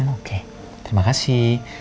oke terima kasih